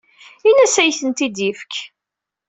Ini-as ad iyi-ten-id-yefk.